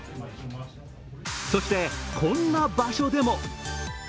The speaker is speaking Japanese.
そして、こんな場所でも。